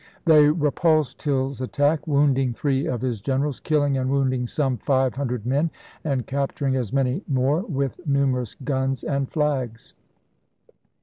They repulsed Hill's attack, wounding three of his generals, killing and wounding some five hundred men, and capturing as many more, with numerous guns and flags.